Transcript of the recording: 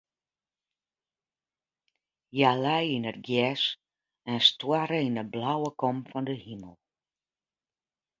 Hja lei yn it gjers en stoarre yn de blauwe kom fan de himel.